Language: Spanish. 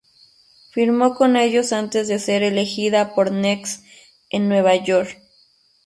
Firmó con ellos antes de ser elegida por Next en Nueva York.